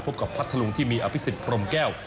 พบกับพัทธลุงที่มีอภิษฎพรมแก้ว